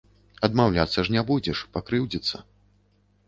Адмаўляцца ж не будзеш, пакрыўдзіцца.